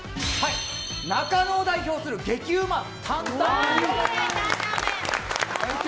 中野を代表する激うま担々麺。